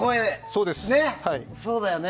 そうだよね！